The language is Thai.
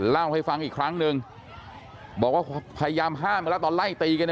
เล่าให้ฟังอีกครั้งนึงบอกว่าพยายามห้ามกันแล้วตอนไล่ตีกัน